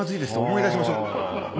思い出しましょう。